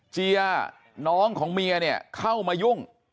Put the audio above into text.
เจียน้องของเมียเนี่ยเข้ามายุ่ง